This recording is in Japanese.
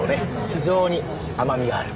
非常に甘みがある。